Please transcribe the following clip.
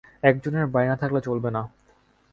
একজনের বাড়ি না থাকলে চলবে না।